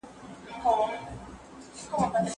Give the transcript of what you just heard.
دا د ډېرو څېړونکو لپاره یوه ښه موضوع ده.